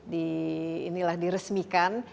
di inilah diresmikan